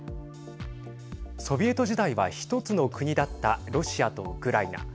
ソビエト時代は１つの国だったロシアとウクライナ。